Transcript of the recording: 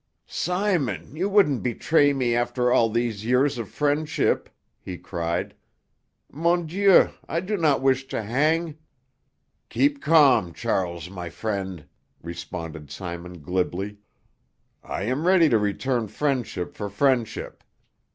"Simon, you wouldn't betray me after all these years of friendship?" he cried. "Mon Dieu, I do not wish to hang!" "Keep calm, Charles, my friend," responded Simon glibly. "I am ready to return friendship for friendship.